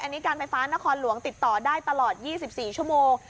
อันนี้การไฟฟ้านครหลวงติดต่อได้ตลอด๒๔ชั่วโมง